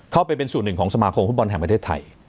เข้าไปเป็นศูนย์๑ของสมาโครมฟุตบอลแห่งประเทศไทย